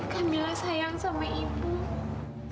kamilah sayang sama ibu